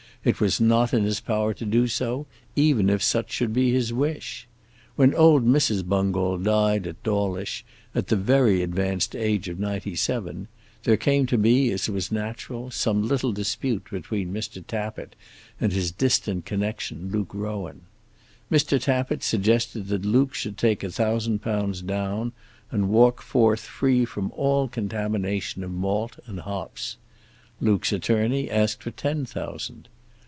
It was not in his power to do so, even if such should be his wish. When old Mrs. Bungall died at Dawlish at the very advanced age of ninety seven, there came to be, as was natural, some little dispute between Mr. Tappitt and his distant connection, Luke Rowan. Mr. Tappitt suggested that Luke should take a thousand pounds down, and walk forth free from all contamination of malt and hops. Luke's attorney asked for ten thousand.